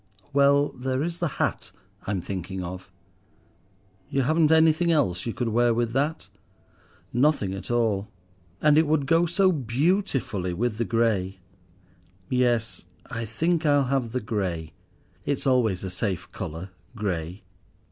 "Well, there is the hat I'm thinking of." "You haven't anything else you could wear with that?" "Nothing at all, and it would go so beautifully with the grey.—Yes, I think I'll have the grey. It's always a safe colour—grey."